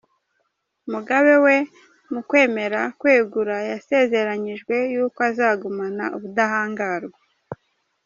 Mugabe we mu kwemera kwegura yasezeranyijwe yuko azagumana ubudahangarwa.